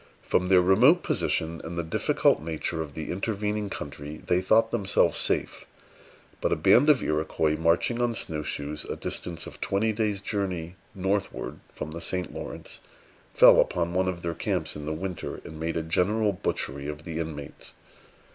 From their remote position, and the difficult nature of the intervening country, they thought themselves safe; but a band of Iroquois, marching on snow shoes a distance of twenty days' journey northward from the St. Lawrence, fell upon one of their camps in the winter, and made a general butchery of the inmates.